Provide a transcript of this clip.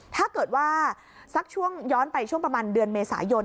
ถ้าเกิดว่าสักช่วงย้อนไปช่วงประมาณเดือนเมษายน